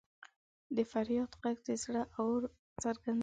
د فریاد ږغ د زړه اور څرګندوي.